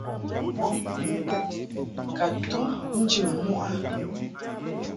Ndib mɔʼ nu ka tum njə muʼ a.